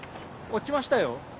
落ちましたよ。